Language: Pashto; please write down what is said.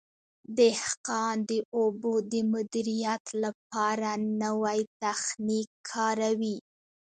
دهقان د اوبو د مدیریت لپاره نوی تخنیک کاروي.